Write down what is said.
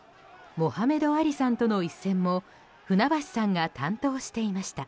モハメド・アリさんとの一戦も舟橋さんが担当していました。